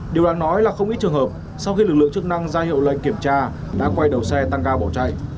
điều đáng nói là không ít trường hợp sau khi lực lượng chức năng ra hiệu lệnh kiểm tra đã quay đầu xe tăng ca bỏ chạy